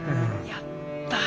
やった！